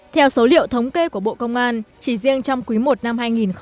theo số liệu thống kê của bộ công an chỉ riêng trong quý i năm hai nghìn hai mươi ba